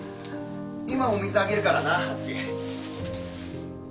今お水あげるからなハッチ。